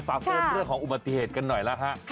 ฝากเตือนเรื่องของอุบัติเหตุกันหน่อยแล้วฮะ